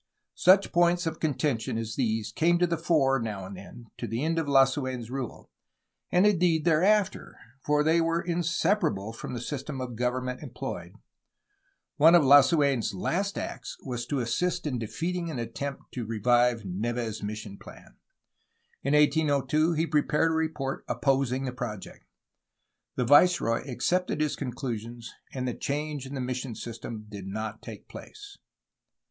Such points of contention as these came to the fore now and then to the end of Lasu6n*s rule, and indeed, thereafter, for they were inseparable from the system of government employed. One of Lasu^n's last acts was to assist in defeating an attempt to revive Neve's mission plan. In 1802 he prepared a report opposing the project. The viceroy accepted his conclu sions, and the change in the mission system did not take place.